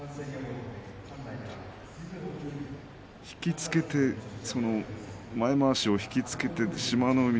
引き付けて、前まわしを引き付けて志摩ノ